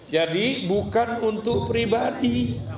jadi bukan untuk pribadi